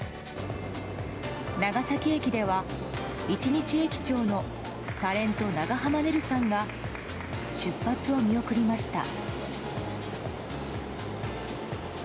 長崎駅では一日駅長のタレント、長濱ねるさんが出発を見送りました。